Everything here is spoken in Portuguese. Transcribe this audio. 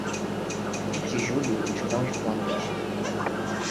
A partir de julho, os grãos de plantas.